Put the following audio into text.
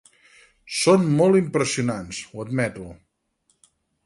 Són molt impressionants, ho admeto.